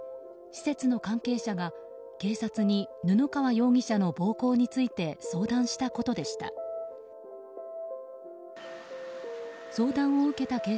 施設の関係者が警察に布川容疑者の暴行について相談したことでした。